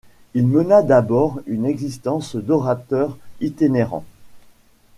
Il mena d'abord une existence d'orateur itinérant.